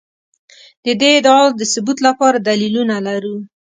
د دې ادعا د ثبوت لپاره دلیلونه لرو.